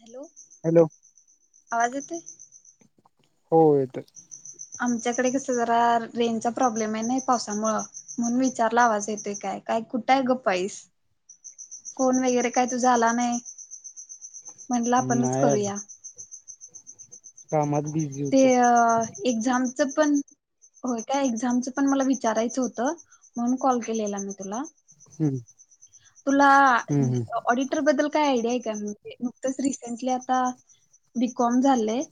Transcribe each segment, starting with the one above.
Hello. Hello. आवाज येतोय? हो येतोय. आमच्याकडे कसं जरा रेंजचा प्रॉब्लेम आहे नाही पावसामुळं. म्हणून विचारला आवाज येतोय काय? काय कुठं आहे गप्प आहेस? फोन वगैरे काय तुझा आला नाही, म्हटलं नाही आपणचं आला. करूया. कामात बिझी. ते होतो. एक्झामच पण होय काय, एक्झामचं पण मला विचारायचं होतं म्हणून कॉल केलेला मी तुला. हम्म तुला हम्म हम्म ऑडिट बद्दल काय आयडिया आहे का म्हणजे न रिसेंटली आता बीकॉम झालंय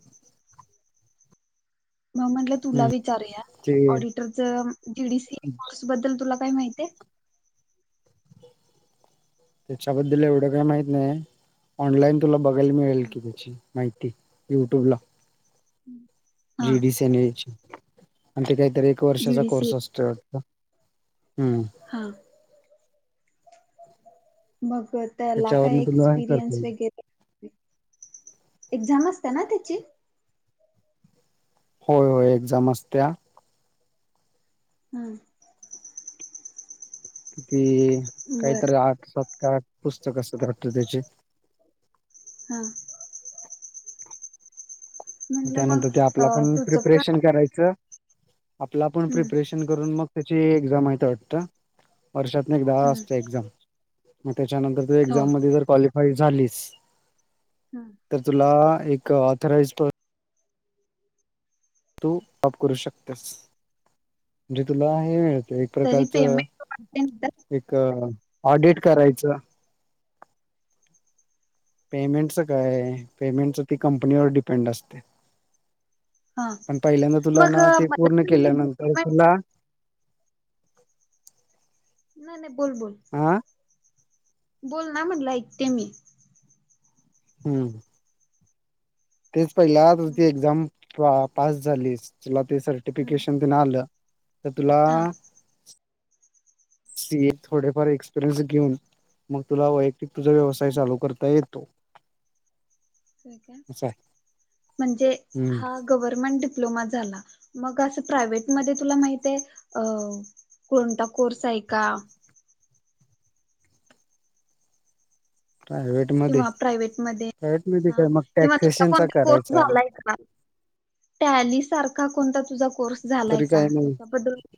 मग म्हंटलं तुला हम्म विचारूया ते ऑडिट जीडीसी कोर्स बद्दल तुला काय माहितीय? त्याच्याबद्दल एवढं काय माहित नाही ऑनलाइन तुला बघायला मिळेल की त्याची. माहिती युट्यूब ला. हम् [unintelligible] जीडीसीएन एच आणि ते काहीतरी एक वर्षाचा जीडीसी कोर्स असतोय वाटत. हम्म. हा मग त्याला त्याच्यावरन काय तुला हे करता एक्सपिरियन्स येईल. वगैरे, एक्झाम असते ना त्याची? होय होय एक्झाम असतीया. हम्म. किती बर काहीतरी आठ सात काहीतरी पुस्तक असत्यात त्याचे. हा. म्हणलं मग त्यानंतर ते अ आपला पण तुझं पण प्रिपरेशन करायचं. आपल्या आपण हम् प्रिपरेशन करून मग त्याची एक्झाम आहे वाटत. वर्षातून एकदा हा असते एक्झाम मग त्याच्यानंतर तू हो एक्झाम मध्ये जर क्वालिफाय झालीस हम्म. तर तुला एक ऑथराइजट तू अप करू शकतेस म्हणजे तुला हे मिळते. तरी प्रकारचं पेमेंट एक ऑडिट करायच पेमेंटचं काय? पेमेंटच ती कंपनीवर डिपेंड असते. हा पण पहिल्यांदा तुला मग ना ते मला पूर्ण पण हे केल्यानंतर नाही तुला नाही बोल बोल. आ बोल ना म्हटलं ऐकते मी. हम्म. तेच पहिला तुझ ती हम्म एक्झाम पास झालीस तिला ते हम्म सर्टिफिकेशन तेन आल तर तुला हा सी. ए. थोडेफार एक्सपिरियन्स घेऊन मग तुला तुझा व्यवसाय हम्म चालू करता येतो. असं आहे. म्हणजे हम्म. हा गव्हर्मेंट डिप्लोमा झाला मग अस प्रायव्हेट मध्ये तुला माहित आहे. कोणता कोर्स आहे का? प्रायव्हेट मध्ये किंवा प्रायव्हेट मध्ये प्रायव्हेट मध्ये ह काय मग किंवा तुझा टॅक्सेशनचा कोणता कोर्स करायचा झालाय का? टॅली सारखा कोणता तुझा कोर्स झालाय तरी का काही नाही त्याच्याबद्दल-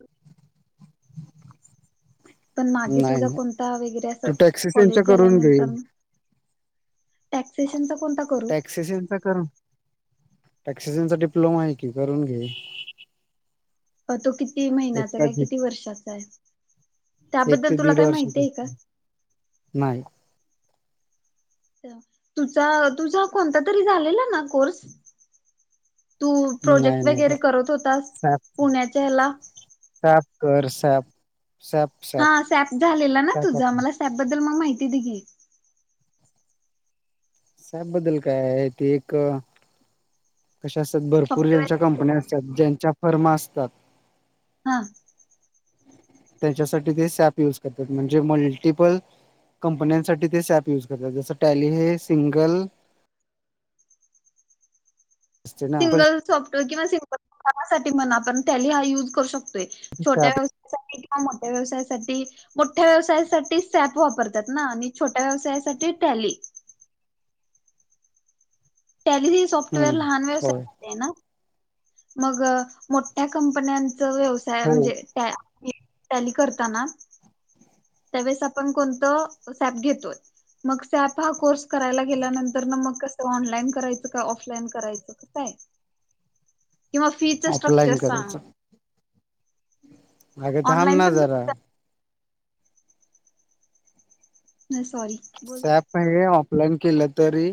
पण मागे नाही तुझा नाही कोणता वगैरे असं तू टॅक्सी त्यां त्यांच्या कॉलेज करून घे. झाल्यानंतर मग टॅक्सेशनचा कोणता करू? टॅक्सीसनचा करून टॅक्सिजनचा डिप्लोमा आहे की करून घे. अ तो किती एक महिन्याचा का काय किती दीड वर्षाचा आहे एक ते त्याबद्दल तुला दीड काय वर्षाचा माहितीये का? नाही. तुझा तुझा कोणता तरी झालेला ना कोर्स. तू नाही प्रोजेक्ट नाही तर वगैरे करत होतास सॅप पुण्याच्या ह्याला. [unintelligible] कर सॅप सॅप हा सॅप झालेला ना सॅप तुझा, मला सॅप बद्दल मंग माहिती दे की. सॅप बद्दल काय ते एक कशा असतात भरपूर ज्यांच्या सॉफ्टवेअर कंपन्या असतात, ज्यांच्या फर्मा असतात. हा त्याच्यासाठी ते सॅप युज करतात. म्हणजे मल्टिपल कंपन्यांसाठी ते सॅप युज करतात. जसं टॅली हे सिंगल असते ना सिंगल सॉफ्टवेअर किंवा [unintelligible] म्हणा आपण टॅली हा युज करू शतोय छोट्या व हम्म [unintelligible] मोठ्या व्यवसायासाठी. मोठ्या व्यवसायासाठी सॅप वापरतात ना, आणि छोट्या व्यवसायासाठी टॅली. टॅली ही सॉफ्टवेअर लहान होय व्यवसाय हेना मग मोठ्या कंपन्यांच व्यवसाय हो म्हणजे त्या टॅली करताना त्यावेळेस आपण कोणतं सॅप घेतोय. मग सॅप हा कोर्स करायला गेल्यानंतर न मग कसं ऑनलाईन करायचं का ऑफलाइन करायचं किंवा फीचा स्ट्रक्चर ऑफलाईन सांग. करायचं अग थांब ऑनलाईन ना जरा. पण सॉरी बोल. सॅप पण हे ऑफलाईन केलं तरी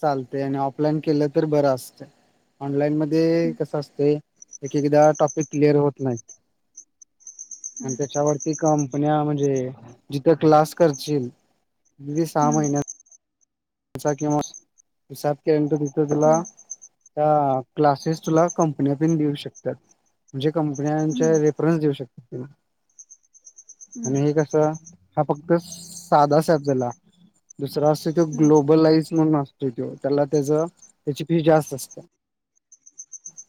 चालते आणि ऑफलाईन केलं तरी बरं असते. ऑनलाईन मध हा ते कसं असतय एक एकदा टॉपिक क्लिअर होत नाही. आणि त्याच्यावरती कंपन्या म्हणजे जिथं क्लास करचील सहा महिन्यात [unintelligible] ह्या क्लासेसला कंपन्या पण देऊ शकतात म्हणजे कंपन्याच्या [unintelligible] देऊ शकते ना आणि हे कसं हा फक्त साधा सॅप झाला. दुसरा असं कीव ग्लोबलाइज म्हणून असतोय तो, त्याला त्याच त्याची फी जास्त असते.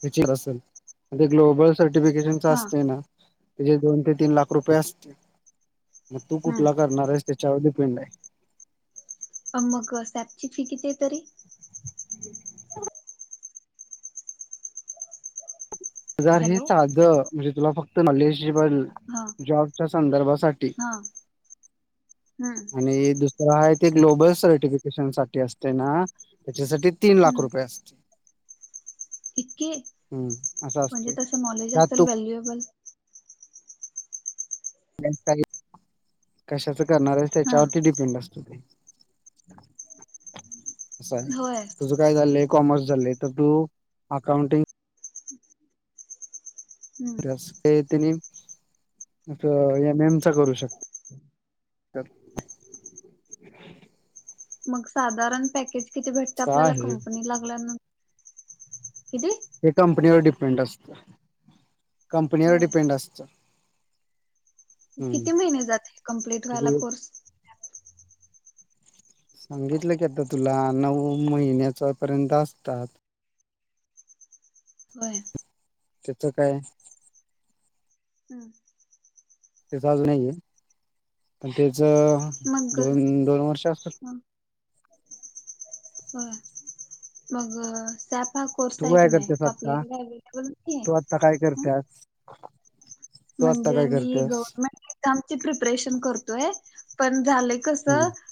म्हणजे ग्लोबल सर्टिफिकेशनच हा असतय ना, तेजे दोन ते तीन लाख रुपये असते. मग तू कुठला करणार आहेस, त्याच्यावर डिपेंड आहे. अ म ग त्याची फी किती आहे तरी? [inaudible] जर हे हॅलो साध म्हणजे तुला फक्त नॉलेजेबल हा जॉबच्या संदर्भासाठी हा [inaudible] आणि दुसरा आहे ते ग्लोबल सर्टिफिकेशन साठी असतय ना. त्याच्यासाठी तीन लाख हम्म रुपये असते. [inaudible] हम्म असं अस असं नॉलेज असेल व्हॅल्युएबल. कशाच करणार आहे हा त्याच्यावरती डिपेंड असत ते. [unintelligible] होय तुझं काय झालंय कॉमर्स झालय तर तू अकाउंटिंग तिने अस एम एम चा करू शकते. [inaudible] मग साधारण पॅकेज किती भेटते असं आपल्याला आहे कंपनी लागल्यानंतर किती? हे कंपनीवर डिपेंड असत, कंपनीवर होय डिपेंड असतं. हम्म. किती महिने जाते कंप्लीट व्हायला तू कोर्स. सांगितलं की आता तुला नऊ महिन्याचा पर्यंत असतात. होय. तिथं काय. [unintelligible] [inaudible] नाही आहेे, पण त्याच मग दोन दोन वर्ष असल. मग सॅप हा कोर्स तू आहे का काय नाही, करतेस तो आपल्या इकडे अवेलेबल नाहीे. तू आत्ता आता काय करते आज? म्हणजे मी गव्हर्नमेंट कामची प्रेपरेशन करतोय, पण झाले कस. हम्म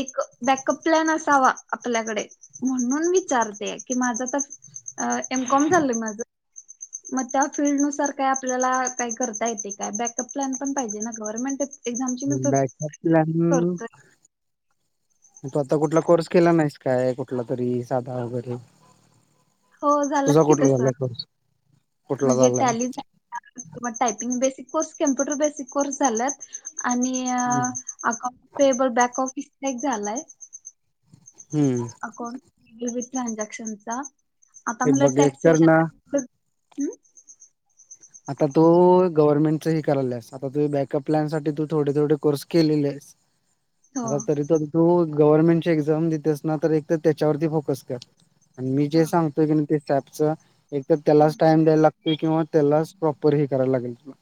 एक बॅकअप प्लॅन असावा आपल्याकडे. म्हणून विचारते की माझं तर एम कॉम झालंय माझ. मग त्या फिल्ड नुसार काय आपल्याला काही करता येते काय? बॅकअप प्लॅन पण पाहिजे ना गव्हर्नमेंट एक्झामची बॅकअप [inaudible] प्लॅन करतोय. तू आता कुठला कोर्स केला नाहीस काय, कुठला तरी साधा वगैरे. हो झालं तुझा की कुठला तस झालाय कोर्स? कुठला म्हणजे झालाय Tally typing basic course, computer basic course झालात आणि हम्म अकाउंट पेबल बँक ऑफिस झालाय. हम्म. अकाउंट [inaudible] ट्रानझॅक्शनचा. आता हे म्हटलं बघ एक तर ना टॅक्सेशन [inaudible] आता तो गव्हर्नमेंटचाही करायलास, आता तु बॅकअप प्लॅनसाठी तू थोडे थोडे कोर्स केलेलेस. [unintelligible] आता तरी पण तू गव्हर्नमेंटची एक्झाम देतेस ना, तर एक तर त्याच्यावरती फोकस कर. आणि मी हा जे सांगतोय की ते सॅपच तर त्यालाच टाइम लागतोय, किंवा त्यालाच प्रॉपर हे करायला लागेल तुला.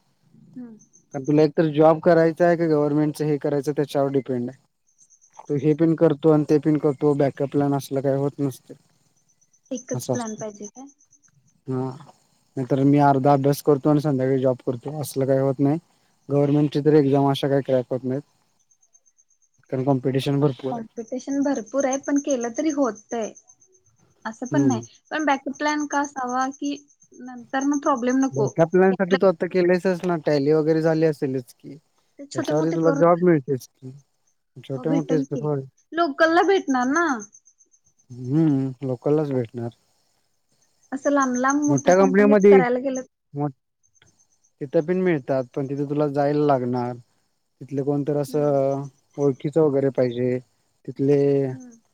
हम्म. कारण तुला एक तर जॉब करायचा आहे का, गव्हर्नमेंटचं हे करायचं त्याच्यावर डिपेंड आहे. तु हे पण करतो आणि ते पण करतो बॅकअप प्लन असलं काही होत नसत. एकच प्लॅन पाहिजे काय? हा नाही तर मी अर्धा अभ्यास करतो आणि संध्याकाळी जॉब करतो असल काही होत नाही. गव्हर्नमेंटची तर एक्झाम अशा काही क्रॅक होत नाहीत, कारण कॉम्पिटिशन भरपूर आहे कॉम्पिटिशन भरपूर आहे पण केलं तरी होतय, असं पण हम्म. नाही. पण बॅक प्लॅन का आसावा की नंतर प्रॉब्लेम नको. केलेचच ना टॅली वगैरे झाली असेलच की छोटे त्याच्यावर मोठे तुला जॉब मिळतेच की. हो छोटे भेटल मोठेच की लोकलला भेटणार ना? हम्म लोकललाच भेटणार. असं लाब लांब मोठ्या कंपनीत करायला गेलं मग तिथं पण मिळतात. पण तिथे तुला जायला लागणार. तिथले कोण- -तर असं ओळखीच वगैरे पाहिजे. तिथले- हम्म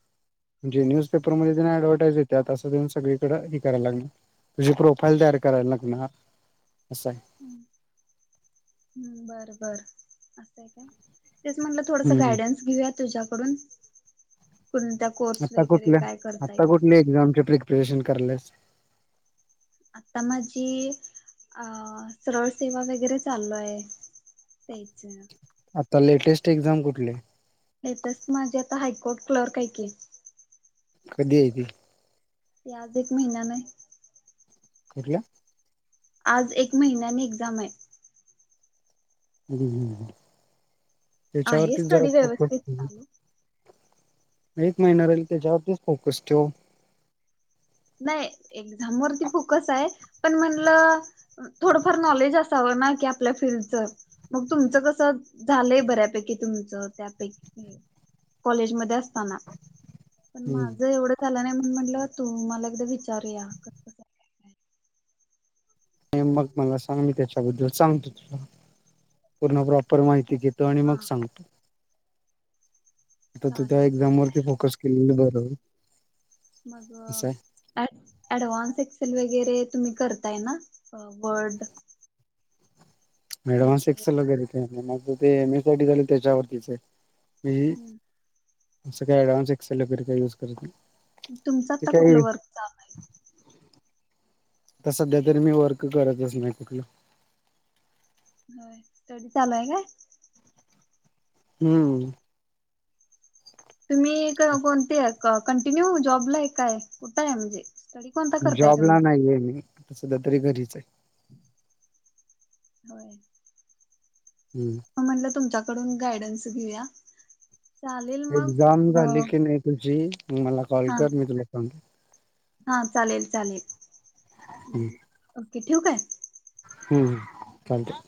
जे न्यूजपेपरमध्ये तेन ऍडव्हटाईज येतात. असं देऊन सगळीकडे हे कराय लागणार. तुझी प्रोफाईल तयार करायला लागणार असं आहे. हं. बर बर. असए का? तेच म्हटलं थोडस हम्म गायडन्स- घेऊया तुझ्याकडून‌. कोण- आत्ता कुठल? आत्ता कुठल्या एक्झामची प्रिपरेशन करालियास? आत्ता माझी अ सरळ सेवा वगैरे चालू आहे. तेच न. आत्ता लेटेस्ट एक्झाम कुठली ए? लेटेस्ट माझी आता हायकोर्ट क्लर्क आहे की. कधी आहे‌ ती? ती आज एक महिन्यान य. कुठल्या? आज एक महिन्यानी एक्झाम ए. हम्. हम्. हम्म. आहे त्याच्यावरतीच जरा स्टडी व्यवस्थित फोकस चालू [unintelligible] एक महिना राहिल त्याच्यावरतीच फोकस ठेव. नाही एक्झाम वरती फोकस आहेच. पण म्हणलं- अं थोडंफार नॉलेज असावं नाही काय आपल्या फील्डचं. मग तुमचं कस झालंय बऱ्यापैकी तुमचं त्यापैकी. कॉलेजमध्ये असताना. पण हम्म. माझं एवढं झालं नाही. म्हणून म्हणलं तुम्हाला एकदा विचारूया. कसं आणि मग मला सांग. मी त्याच्याबद्दल सांगतो तुला. पूर्ण प्रॉपर माहिती देतो. -तो आणि मग हा सांगतो. आता तू त्या चालेल एक्झाम चालेल वरती फोकस केलेलं बरय. मग- ऍडव्हान्स एक्सेल वगैरे तुम्ही करताय ना? अं वर्ड- [unintelligible] लेटर एक्सेल गेले ते. माझं ते M S C I T झालंय त्याच्यावरतीच ए. मी असं काही ऍडव्हान्स एक्सेल वगैर काही यूज करत नाही. तुमचं ते आत्ता काही कुठलं वर्क चालू ए? आता सध्या तरी मी वर्क करतच नाही कुठलं. होय. स्टडी चालू आहं काय? हम्म. तुम्ही अ कोणत्या कंटिन्यू जॉबला आहे काय? कुठं ए म्हणजे? स्टडी कोणता करताय जॉबला तुम्ही नाहीए मी. आता सध्या तरी घरीच ए. होय. हम्म. म म्हणलं तुमच्याकडून गायडन्स घेऊया. चालेल मग एक्झाम अ, झाली की नाही तुझी, म मला कॉल कर मी तुला सांगतो. हां. चालेल चालेल. हं. ओके. ठेवू काय? हं. चालतंय.